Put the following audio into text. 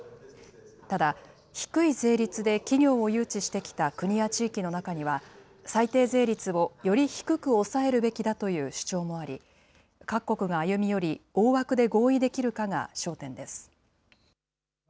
ただ、低い税率で企業を誘致してきた国や地域の中には、最低税率をより低く抑えるべきだという主張もあり、各国が歩み寄り、大枠で合意できるかが焦点です。